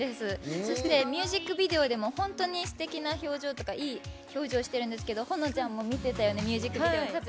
そして、ミュージックビデオでも本当にすてきな表情とかいい表情をしてるんですけど保乃ちゃんも見てたよね。